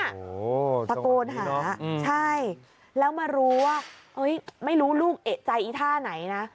โอ้โหตะโกนหาใช่แล้วมารู้ว่าเอ้ยไม่รู้ลูกเอกใจอีท่าไหนนะ